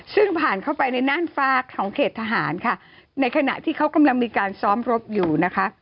ซึ่งผ่านเข้าไปในน่านฟ้าของเขตทหารค่ะในขณะที่เขากำลังมีการซ้อมรบอยู่นะคะ